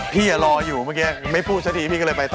พี่รออยู่เมื่อกี้ไม่พูดซะทีพี่ก็เลยไปต่อ